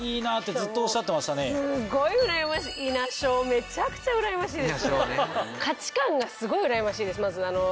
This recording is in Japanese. めちゃくちゃうらやましいです。